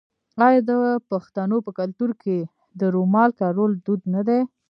آیا د پښتنو په کلتور کې د رومال کارول دود نه دی؟